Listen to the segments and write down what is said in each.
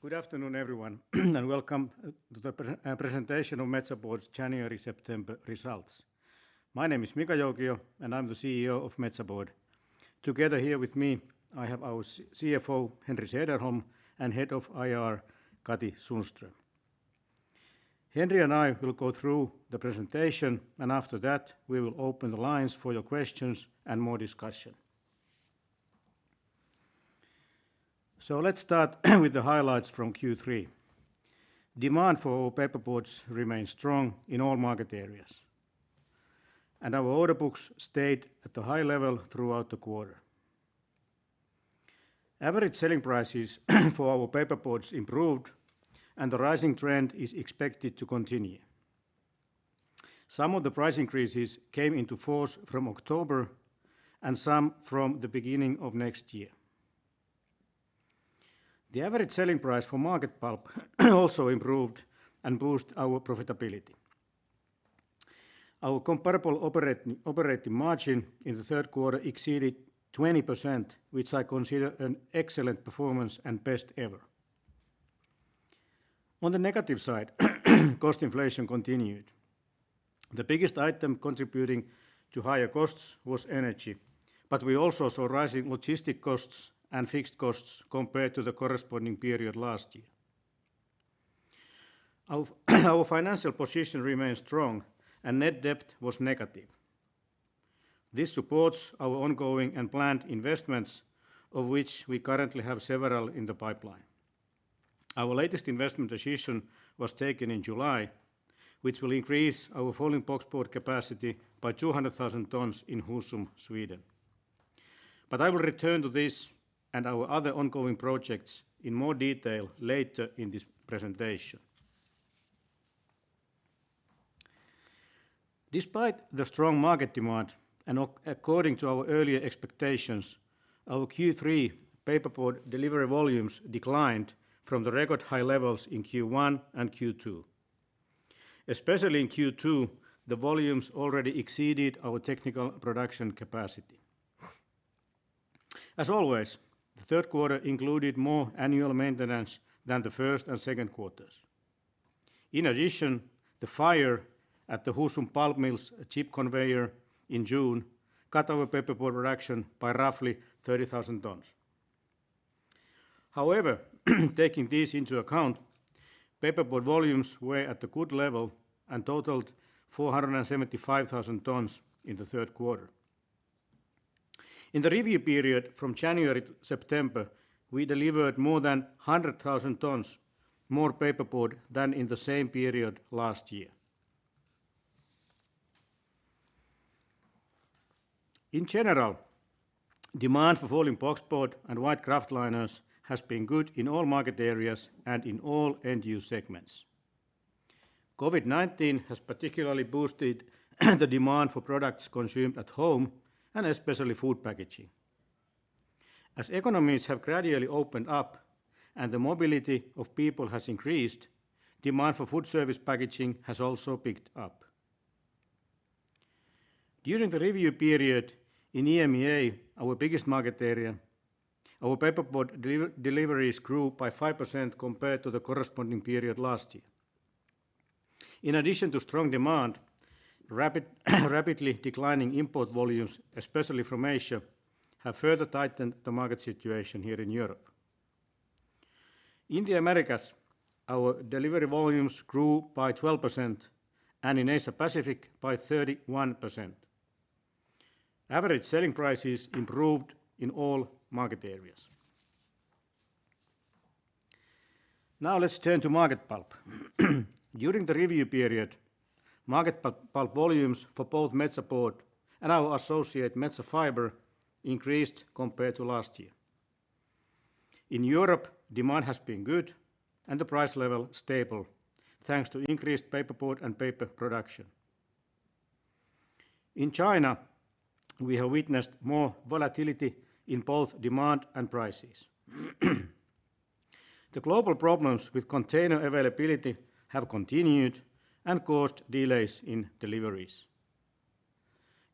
Good afternoon, everyone, and welcome to the presentation of Metsä Board's January-September results. My name is Mika Joukio, and I'm the CEO of Metsä Board. Together here with me, I have our CFO, Henri Sederholm, and Head of IR, Katri Sundström. Henri and I will go through the presentation, and after that, we will open the lines for your questions and more discussion. Let's start with the highlights from Q3. Demand for our paperboards remains strong in all market areas, and our order books stayed at a high level throughout the quarter. Average selling prices for our paperboards improved, and the rising trend is expected to continue. Some of the price increases came into force from October and some from the beginning of next year. The average selling price for market pulp also improved and boost our profitability. Our comparable operating margin in the third quarter exceeded 20%, which I consider an excellent performance and best ever. On the negative side, cost inflation continued. The biggest item contributing to higher costs was energy, but we also saw rising logistic costs and fixed costs compared to the corresponding period last year. Our financial position remains strong, and net debt was negative. This supports our ongoing and planned investments, of which we currently have several in the pipeline. Our latest investment decision was taken in July, which will increase our folding boxboard capacity by 200,000 tons in Husum, Sweden. I will return to this and our other ongoing projects in more detail later in this presentation. Despite the strong market demand and according to our earlier expectations, our Q3 paperboard delivery volumes declined from the record high levels in Q1 and Q2. Especially in Q2, the volumes already exceeded our technical production capacity. As always, the third quarter included more annual maintenance than the first and second quarters. In addition, the fire at the Husum pulp mill's chip conveyor in June cut our paperboard production by roughly 30,000 tons. However, taking this into account, paperboard volumes were at a good level and totaled 475,000 tons in the third quarter. In the review period from January to September, we delivered more than 100,000 tons more paperboard than in the same period last year. In general, demand for folding boxboard and white kraftliners has been good in all market areas and in all end-use segments. COVID-19 has particularly boosted the demand for products consumed at home and especially food packaging. As economies have gradually opened up and the mobility of people has increased, demand for food service packaging has also picked up. During the review period in EMEA, our biggest market area, our paperboard deliveries grew by 5% compared to the corresponding period last year. In addition to strong demand, rapidly declining import volumes, especially from Asia, have further tightened the market situation here in Europe. In the Americas, our delivery volumes grew by 12% and in Asia Pacific by 31%. Average selling prices improved in all market areas. Now let's turn to market pulp. During the review period, market pulp volumes for both Metsä Board and our associate Metsä Fibre increased compared to last year. In Europe, demand has been good and the price level stable thanks to increased paperboard and paper production. In China, we have witnessed more volatility in both demand and prices. The global problems with container availability have continued and caused delays in deliveries.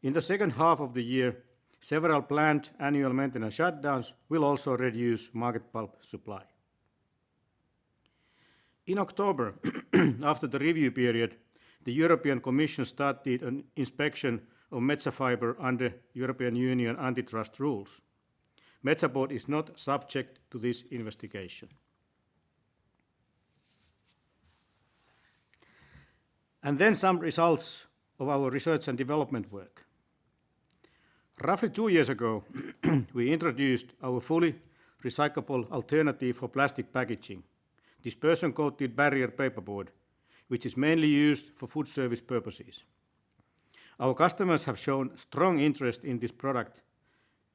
In the second half of the year, several planned annual maintenance shutdowns will also reduce market pulp supply. In October, after the review period, the European Commission started an inspection of Metsä Fibre under European Union antitrust rules. Metsä Board is not subject to this investigation. Some results of our research and development work. Roughly two years ago, we introduced our fully recyclable alternative for plastic packaging, dispersion-coated barrier paperboard, which is mainly used for food service purposes. Our customers have shown strong interest in this product,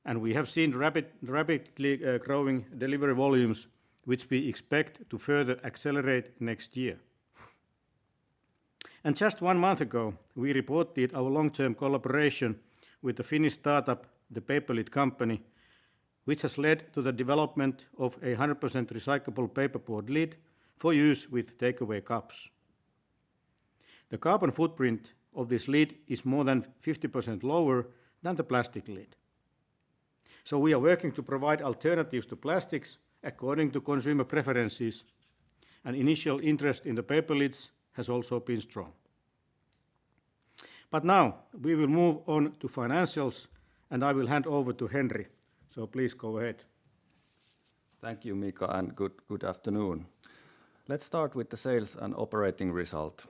and we have seen rapidly growing delivery volumes, which we expect to further accelerate next year. Just one month ago, we reported our long-term collaboration with the Finnish startup, The Paper Lid Company, which has led to the development of a 100% recyclable paperboard lid for use with takeaway cups. The carbon footprint of this lid is more than 50% lower than the plastic lid. We are working to provide alternatives to plastics according to consumer preferences, and initial interest in the paper lids has also been strong. Now we will move on to financials, and I will hand over to Henri. Please go ahead. Thank you, Mika, and good afternoon. Let's start with the sales and operating result.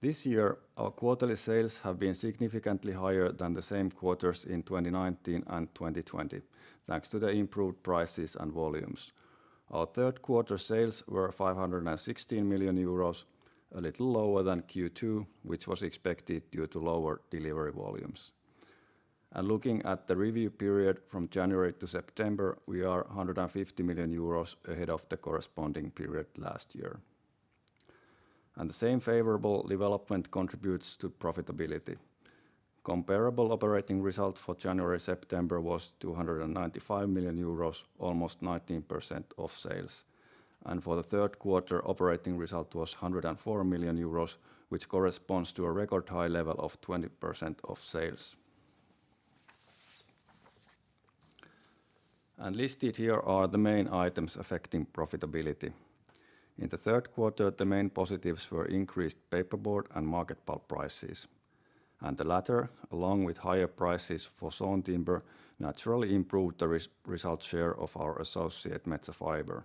This year, our quarterly sales have been significantly higher than the same quarters in 2019 and 2020, thanks to the improved prices and volumes. Our third quarter sales were 516 million euros, a little lower than Q2, which was expected due to lower delivery volumes. Looking at the review period from January to September, we are 150 million euros ahead of the corresponding period last year. The same favorable development contributes to profitability. Comparable operating result for January-September was 295 million euros, almost 19% of sales. For the third quarter, operating result was 104 million euros, which corresponds to a record high level of 20% of sales. Listed here are the main items affecting profitability. In the third quarter, the main positives were increased paperboard and market pulp prices. The latter, along with higher prices for sawn timber, naturally improved the result share of our associate Metsä Fibre.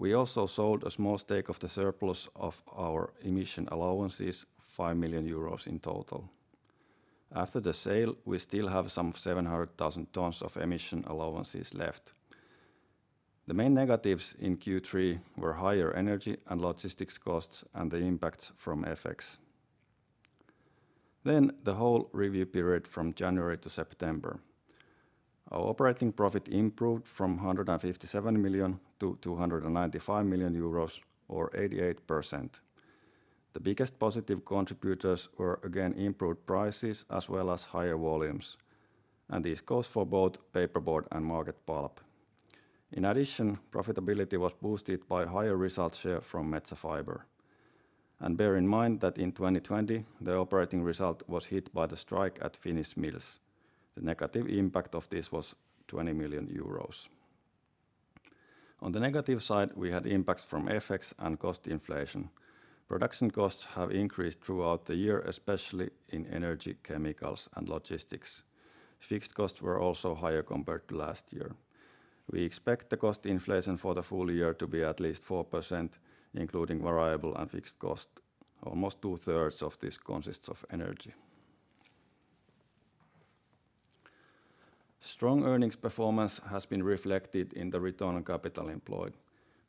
We also sold a small stake of the surplus of our emission allowances, 5 million euros in total. After the sale, we still have some 700,000 tons of emission allowances left. The main negatives in Q3 were higher energy and logistics costs and the impacts from FX. The whole review period from January to September. Our operating profit improved from 157 million to 295 million euros or 88%. The biggest positive contributors were again improved prices as well as higher volumes, and this goes for both paperboard and market pulp. In addition, profitability was boosted by higher result share from Metsä Fibre. Bear in mind that in 2020, the operating result was hit by the strike at Finnish Mills. The negative impact of this was 20 million euros. On the negative side, we had impacts from FX and cost inflation. Production costs have increased throughout the year, especially in energy, chemicals and logistics. Fixed costs were also higher compared to last year. We expect the cost inflation for the full year to be at least 4%, including variable and fixed cost. Almost two-thirds of this consists of energy. Strong earnings performance has been reflected in the return on capital employed.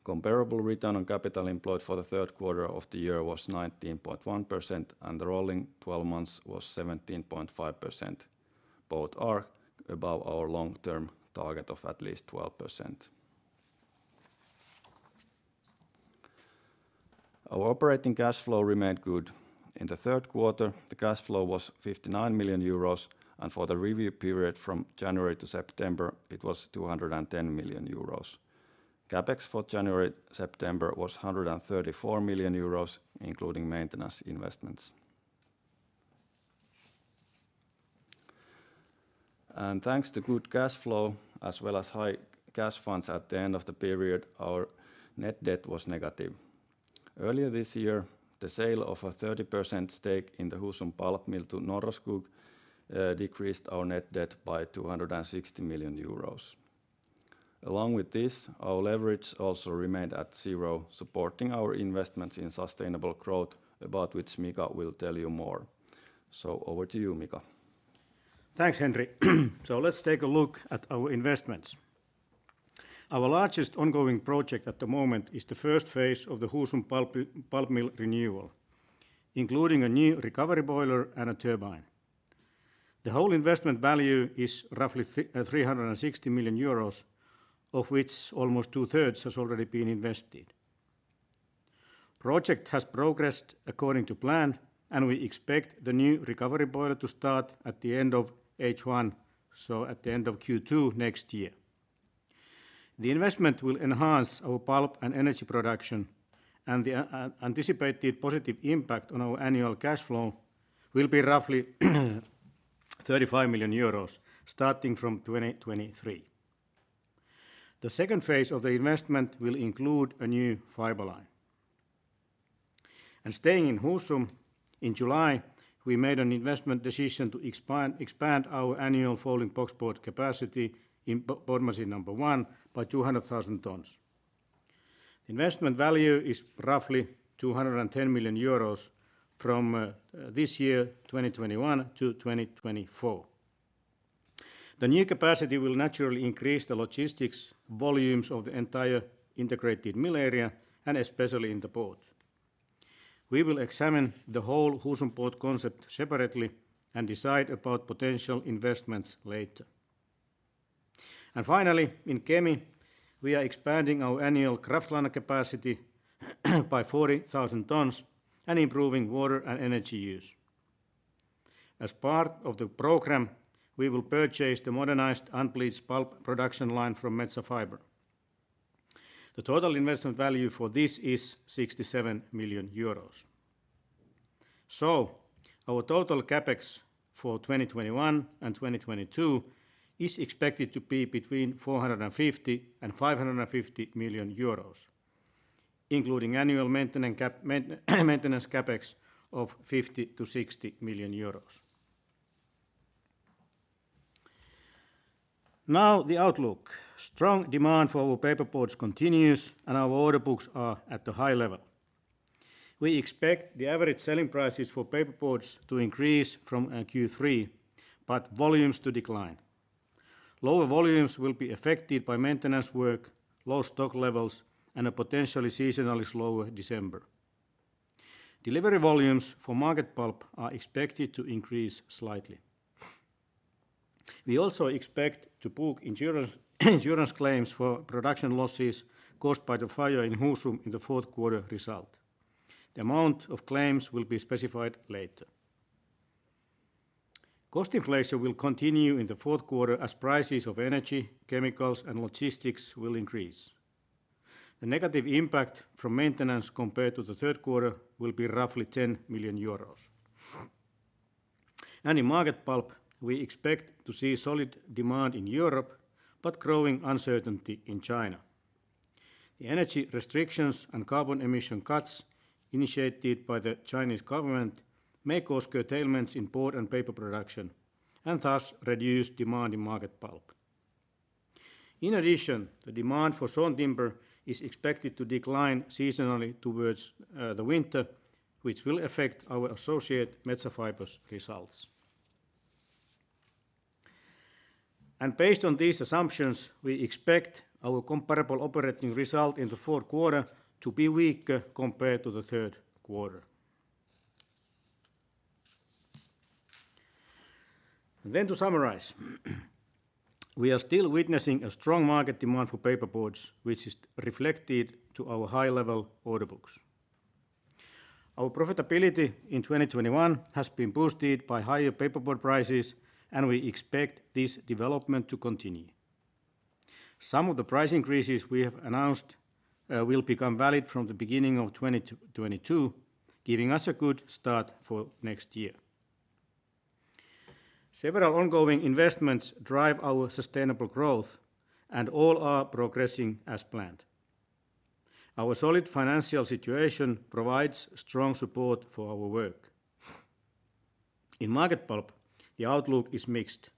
Comparable return on capital employed for the third quarter of the year was 19.1%, and the rolling twelve months was 17.5%. Both are above our long-term target of at least 12%. Our operating cash flow remained good. In the third quarter, the cash flow was 59 million euros, and for the review period from January to September, it was 210 million euros. CapEx for January to September was 134 million euros, including maintenance investments. Thanks to good cash flow as well as high cash funds at the end of the period, our net debt was negative. Earlier this year, the sale of a 30% stake in the Husum Pulp Mill to Norra Skog decreased our net debt by 260 million euros. Along with this, our leverage also remained at zero, supporting our investments in sustainable growth, about which Mika will tell you more. Over to you, Mika. Thanks, Henri. Let's take a look at our investments. Our largest ongoing project at the moment is the first phase of the Husum Pulp Mill renewal, including a new recovery boiler and a turbine. The whole investment value is roughly 360 million euros, of which almost two-thirds has already been invested. The project has progressed according to plan, and we expect the new recovery boiler to start at the end of H1, so at the end of Q2 next year. The investment will enhance our pulp and energy production, and the anticipated positive impact on our annual cash flow will be roughly 35 million euros starting from 2023. The second phase of the investment will include a new fiber line. Staying in Husum, in July, we made an investment decision to expand our annual folding boxboard capacity in Board Machine number one by 200,000 tons. Investment value is roughly 210 million euros from this year, 2021, to 2024. The new capacity will naturally increase the logistics volumes of the entire integrated mill area and especially in the port. We will examine the whole Husum port concept separately and decide about potential investments later. Finally, in Kemi, we are expanding our annual kraftliner capacity by 40,000 tons and improving water and energy use. As part of the program, we will purchase the modernized unbleached pulp production line from Metsä Fibre. The total investment value for this is 67 million euros. Our total CapEx for 2021 and 2022 is expected to be between 450 million and 550 million euros, including annual maintenance CapEx of 50 million-60 million euros. Now the outlook. Strong demand for our paperboards continues, and our order books are at a high level. We expect the average selling prices for paperboards to increase from Q3, but volumes to decline. Lower volumes will be affected by maintenance work, low stock levels, and a potentially seasonally slower December. Delivery volumes for market pulp are expected to increase slightly. We also expect to book insurance claims for production losses caused by the fire in Husum in the fourth quarter result. The amount of claims will be specified later. Cost inflation will continue in the fourth quarter as prices of energy, chemicals, and logistics will increase. The negative impact from maintenance compared to the third quarter will be roughly 10 million euros. In market pulp, we expect to see solid demand in Europe, but growing uncertainty in China. The energy restrictions and carbon emission cuts initiated by the Chinese government may cause curtailments in board and paper production, and thus reduce demand in market pulp. In addition, the demand for sawn timber is expected to decline seasonally towards the winter, which will affect our associate Metsä Fibre's results. Based on these assumptions, we expect our comparable operating result in the fourth quarter to be weaker compared to the third quarter. To summarize, we are still witnessing a strong market demand for paperboards, which is reflected to our high-level order books. Our profitability in 2021 has been boosted by higher paperboard prices, and we expect this development to continue. Some of the price increases we have announced will become valid from the beginning of 2022, giving us a good start for next year. Several ongoing investments drive our sustainable growth, and all are progressing as planned. Our solid financial situation provides strong support for our work. In market pulp, the outlook is mixed.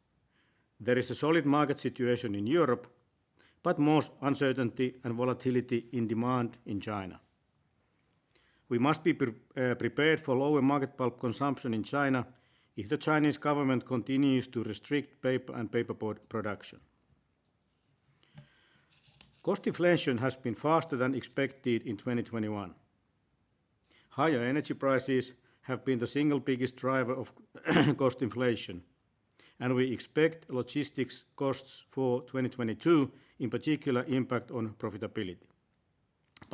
There is a solid market situation in Europe, but more uncertainty and volatility in demand in China. We must be prepared for lower market pulp consumption in China if the Chinese government continues to restrict paper and paperboard production. Cost inflation has been faster than expected in 2021. Higher energy prices have been the single biggest driver of cost inflation, and we expect logistics costs for 2022, in particular, impact on profitability.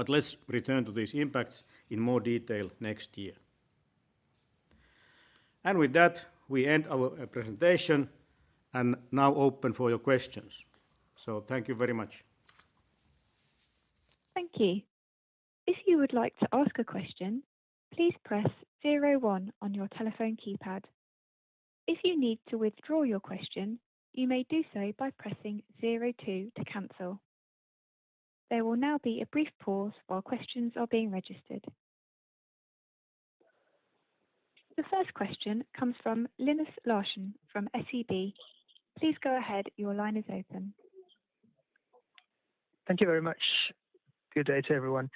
Let's return to these impacts in more detail next year. With that, we end our presentation and now open for your questions. Thank you very much. The first question comes from Linus Larsson from SEB. Please go ahead. Your line is open. Thank you very much. Good day to everyone.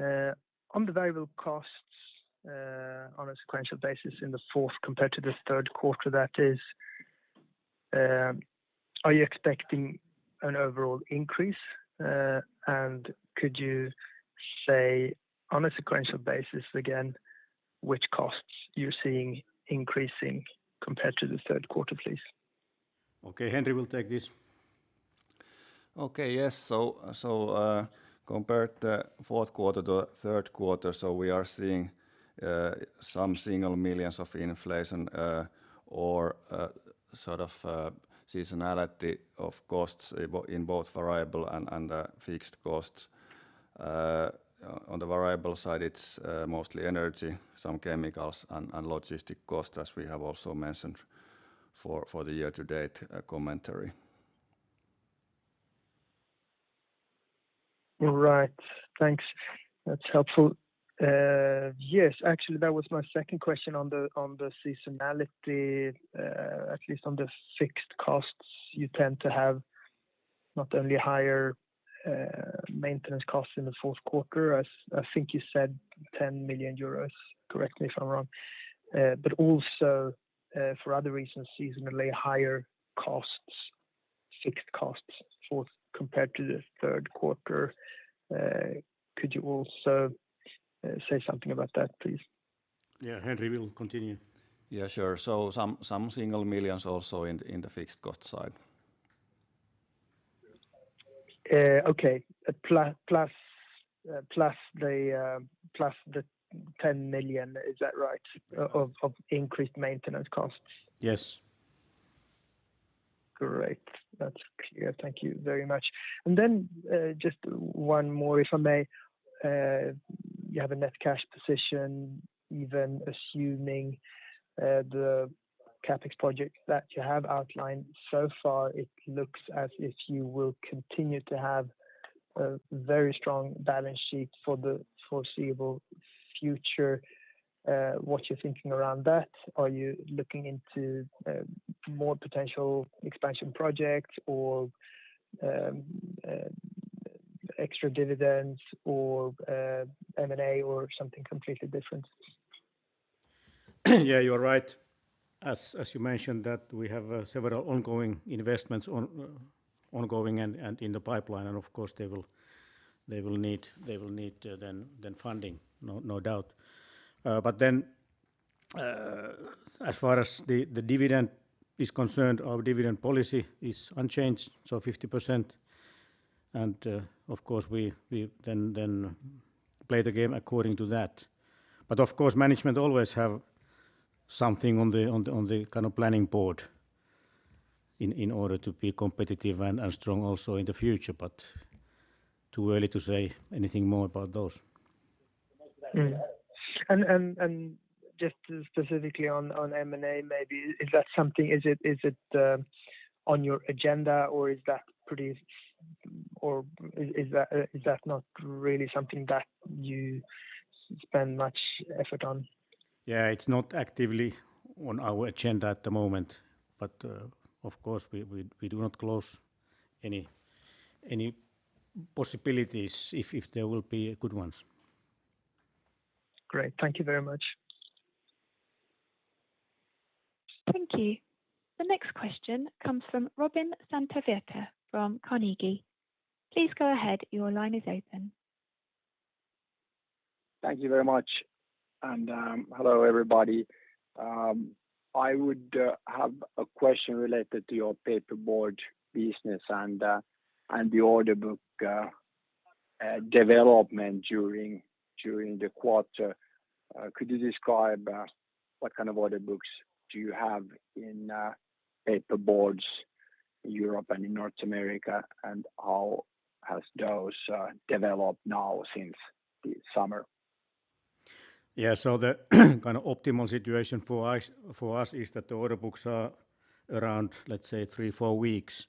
On the variable costs, on a sequential basis in the fourth compared to the third quarter, that is, are you expecting an overall increase? Could you say on a sequential basis, again, which costs you're seeing increasing compared to the third quarter, please? Okay. Henri will take this. Comparing the fourth quarter to third quarter, we are seeing some single-digit millions of inflation or sort of seasonality of costs in both variable and fixed costs. On the variable side, it's mostly energy, some chemicals and logistics costs, as we have also mentioned for the year-to-date commentary. All right. Thanks. That's helpful. Yes, actually, that was my second question on the seasonality. At least on the fixed costs, you tend to have not only higher maintenance costs in the fourth quarter, as I think you said 10 million euros, correct me if I'm wrong, but also, for other reasons, seasonally higher fixed costs compared to the third quarter. Could you also say something about that, please? Yeah. Henri will continue. Yeah, sure. Some single millions also in the fixed cost side. Plus the 10 million of increased maintenance costs, is that right? Yes. Great. That's clear. Thank you very much. Just one more, if I may. You have a net cash position even assuming the CapEx project that you have outlined so far. It looks as if you will continue to have a very strong balance sheet for the foreseeable future. What's your thinking around that? Are you looking into more potential expansion projects or extra dividends or M&A or something completely different? Yeah, you are right. As you mentioned that we have several ongoing investments ongoing and in the pipeline, and of course they will need then funding, no doubt. As far as the dividend is concerned, our dividend policy is unchanged, so 50%. Of course we then play the game according to that. Of course, management always have something on the kind of planning board in order to be competitive and strong also in the future, but too early to say anything more about those. Mm-hmm. Just specifically on M&A maybe, is that something? Is it on your agenda or is that not really something that you spend much effort on? Yeah. It's not actively on our agenda at the moment, but, of course we do not close any possibilities if there will be good ones. Great. Thank you very much. Thank you. The next question comes from Robin Santavirta from Carnegie. Please go ahead. Your line is open. Thank you very much. Hello everybody. I would have a question related to your paperboard business and the order book development during the quarter. Could you describe what kind of order books do you have in paperboards in Europe and in North America, and how has those developed now since the summer? Yeah. The kind of optimal situation for us is that the order books are around, let's say, 3-4 weeks.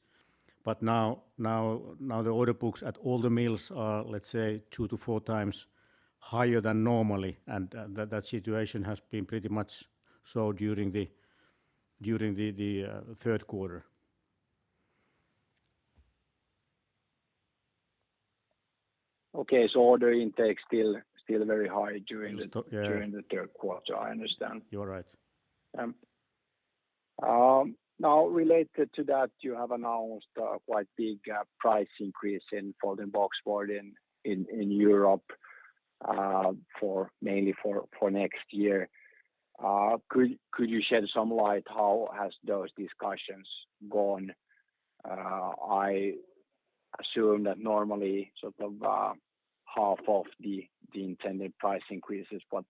Now the order books at all the mills are, let's say, 2-4 times higher than normally, and that situation has been pretty much so during the third quarter. Okay. Order intake still very high during the Yeah. During the third quarter. I understand. You are right. Now related to that, you have announced a quite big price increase in folding boxboard in Europe, mainly for next year. Could you shed some light how has those discussions gone? I assume that normally half of the intended price increase is what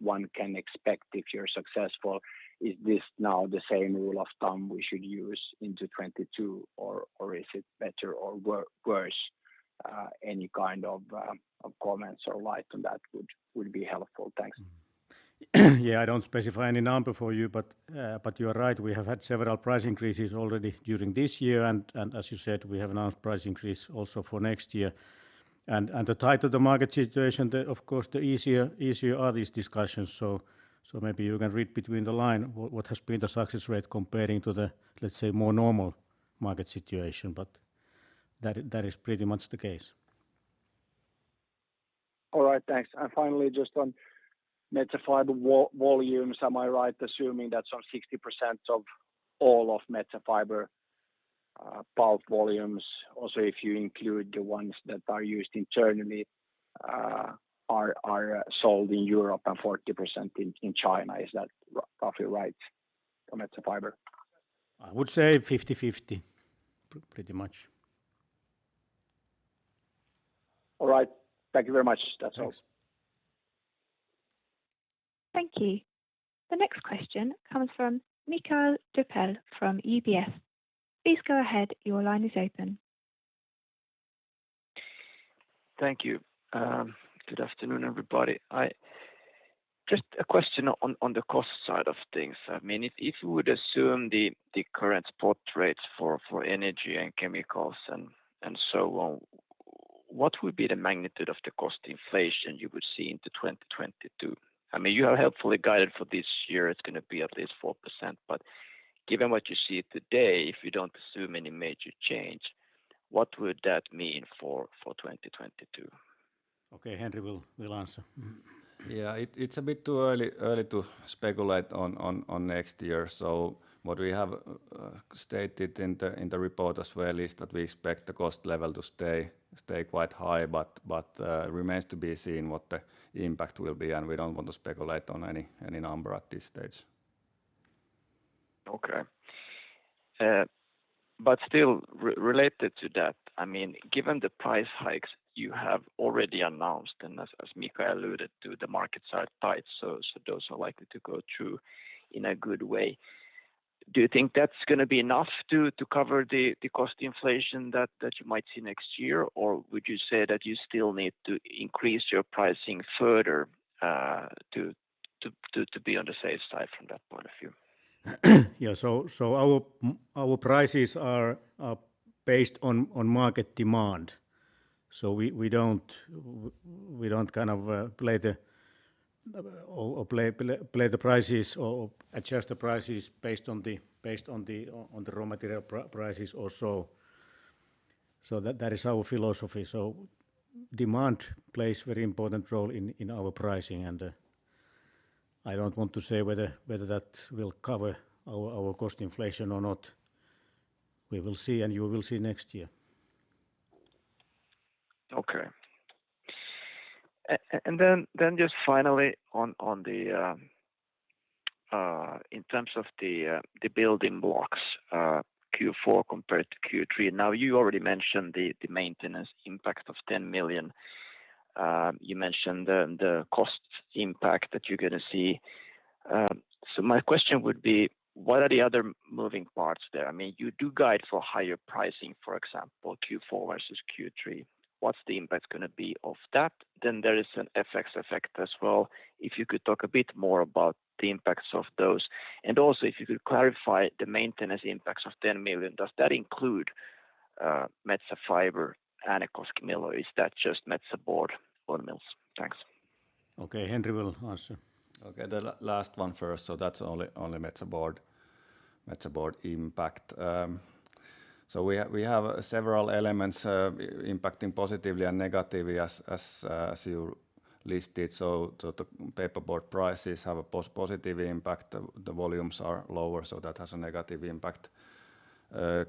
one can expect if you're successful. Is this now the same rule of thumb we should use into 2022 or is it better or worse? Any kind of comments or light on that would be helpful. Thanks. Yeah. I don't specify any number for you, but you are right. We have had several price increases already during this year and as you said, we have announced price increase also for next year. The tighter the market situation, of course, the easier are these discussions. Maybe you can read between the lines what has been the success rate compared to the, let's say, more normal market situation. That is pretty much the case. All right. Thanks. Finally, just on Metsä Fibre volumes, am I right assuming that some 60% of all of Metsä Fibre pulp volumes, also if you include the ones that are used internally, are sold in Europe and 40% in China? Is that roughly right for Metsä Fibre? I would say 50/50 pretty much. All right. Thank you very much. That's all. Thanks. Thank you. The next question comes from Mikael Doepel from UBS. Please go ahead. Your line is open. Thank you. Good afternoon, everybody. Just a question on the cost side of things. I mean, if you would assume the current spot rates for energy and chemicals and so on, what would be the magnitude of the cost inflation you would see into 2022? I mean, you have helpfully guided for this year it's gonna be at least 4%, but given what you see today, if you don't assume any major change, what would that mean for 2022? Okay. Henri will answer. Yeah. It's a bit too early to speculate on next year. What we have stated in the report as well is that we expect the cost level to stay quite high, but remains to be seen what the impact will be, and we don't want to speculate on any number at this stage. Okay. Still related to that, I mean, given the price hikes you have already announced, and as Mika alluded to, the markets are tight, so those are likely to go through in a good way. Do you think that's gonna be enough to cover the cost inflation that you might see next year? Or would you say that you still need to increase your pricing further, to be on the safe side from that point of view? Yeah, our prices are based on market demand. We don't kind of play the prices or adjust the prices based on the raw material prices also. That is our philosophy. Demand plays very important role in our pricing, and I don't want to say whether that will cover our cost inflation or not. We will see and you will see next year. Then just finally on the building blocks Q4 compared to Q3. Now, you already mentioned the maintenance impact of 10 million. You mentioned the cost impact that you're gonna see. So my question would be, what are the other moving parts there? I mean, you do guide for higher pricing, for example, Q4 versus Q3. What's the impact gonna be of that? Then there is an FX effect as well. If you could talk a bit more about the impacts of those. And also if you could clarify the maintenance impacts of 10 million, does that include Metsä Fibre and Koski Tl? Is that just Metsä Board or mills? Thanks. Okay, Henri will answer. Okay. The last one first, that's only Metsä Board impact. We have several elements impacting positively and negatively as you listed. The paperboard prices have a positive impact. The volumes are lower, so that has a negative impact.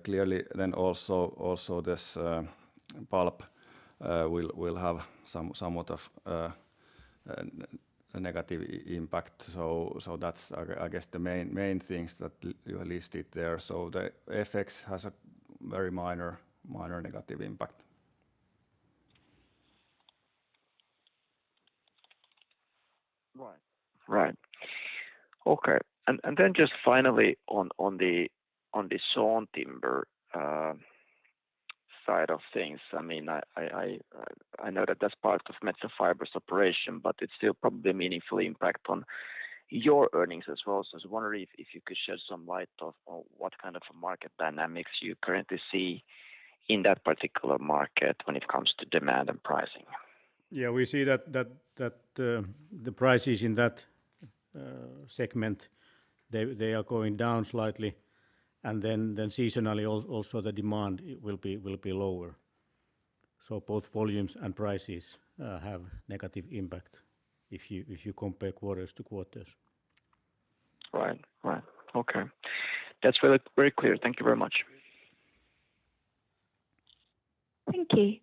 Clearly then also this pulp will have somewhat of a negative impact. That's, I guess, the main things that you listed there. The FX has a very minor negative impact. Right. Okay. Then just finally on the sawn timber side of things, I mean, I know that that's part of Metsä Fibre's operation, but it still probably meaningfully impacts on your earnings as well. I was wondering if you could shed some light on what kind of market dynamics you currently see in that particular market when it comes to demand and pricing. Yeah. We see that the prices in that segment, they are going down slightly, and then seasonally also the demand will be lower. So both volumes and prices have negative impact if you compare quarters to quarters. Right. Okay. That's very clear. Thank you very much. Thank you.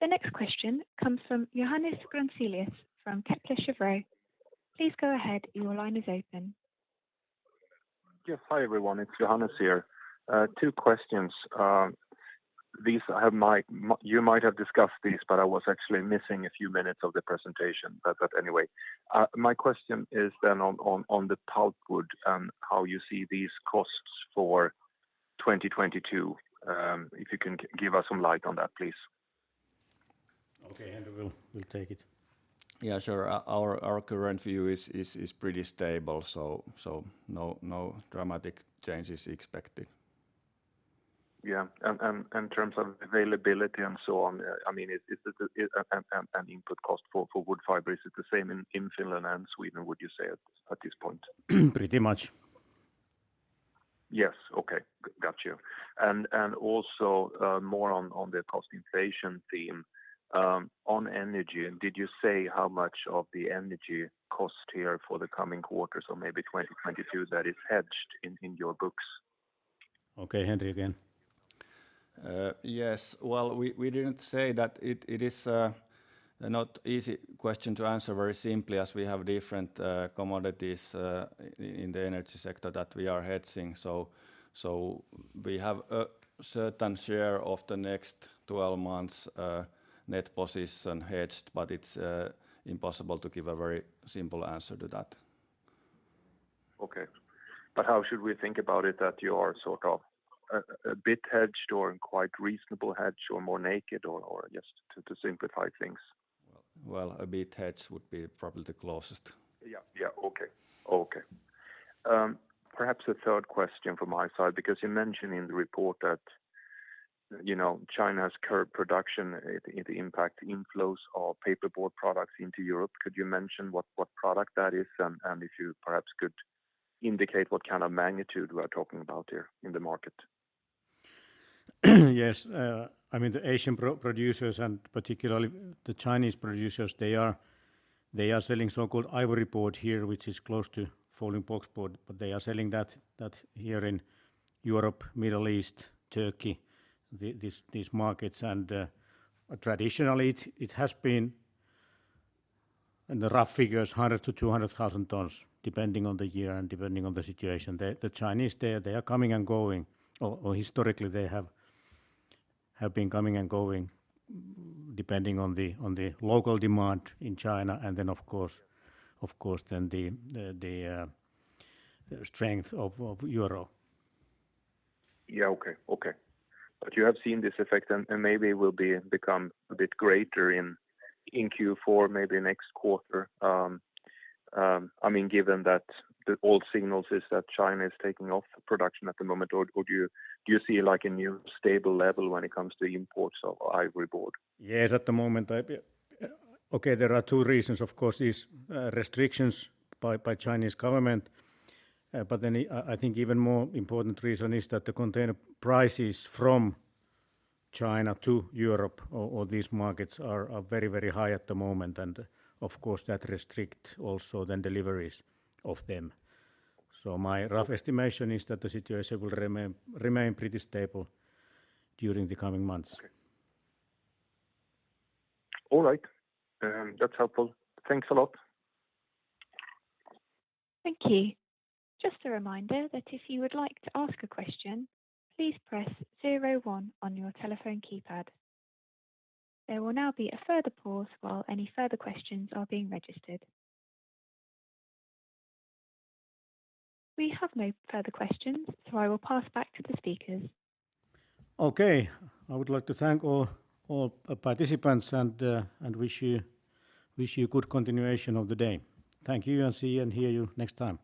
The next question comes from Johannes Grunselius from Kepler Cheuvreux. Please go ahead. Your line is open. Yes. Hi, everyone. It's Johannes here. Two questions. These you might have discussed, but I was actually missing a few minutes of the presentation. Anyway, my question is on the pulpwood and how you see these costs for 2022. If you can give us some light on that, please. Okay. Henri will take it. Yeah, sure. Our current view is pretty stable, so no dramatic changes expected. Yeah. In terms of availability and so on, I mean, is input cost for wood fibers the same in Finland and Sweden, would you say at this point? Pretty much. Yes. Okay. Got you. Also, more on the cost inflation theme, on energy, did you say how much of the energy cost here for the coming quarters or maybe 2022 that is hedged in your books? Okay, Henri again. Yes. Well, we didn't say that it is not an easy question to answer very simply as we have different commodities in the energy sector that we are hedging. We have a certain share of the next 12 months net position hedged, but it's impossible to give a very simple answer to that. Okay. How should we think about it that you are sort of a bit hedged or in quite reasonable hedge or more naked or just to simplify things? Well, a bit hedged would be probably the closest. Yeah. Okay. Perhaps a third question from my side, because you mentioned in the report that, you know, China's current production, it impacts inflows of paperboard products into Europe. Could you mention what product that is and if you perhaps could indicate what kind of magnitude we are talking about here in the market? Yes. I mean, the Asian producers, and particularly the Chinese producers, they are selling so-called ivory board here, which is close to folding boxboard, but they are selling that here in Europe, Middle East, Turkey, these markets. Traditionally it has been, in the rough figures, 100-200,000 tons, depending on the year and depending on the situation. The Chinese, they are coming and going or historically they have been coming and going depending on the local demand in China and then of course then the strength of euro. You have seen this effect and maybe will become a bit greater in Q4, maybe next quarter. I mean, given that the all signals are that China is taking off production at the moment, or do you see like a new stable level when it comes to imports of ivory board? Yes, at the moment. Okay, there are two reasons, of course, restrictions by the Chinese government. I think even more important reason is that the container prices from China to Europe or these markets are very, very high at the moment, and of course that restrict also the deliveries of them. My rough estimation is that the situation will remain pretty stable during the coming months. Okay. All right. That's helpful. Thanks a lot. Thank you. Just a reminder that if you would like to ask a question, please press zero one on your telephone keypad. There will now be a further pause while any further questions are being registered. We have no further questions, so I will pass back to the speakers. Okay. I would like to thank all participants and wish you good continuation of the day. Thank you, and see you and hear you next time.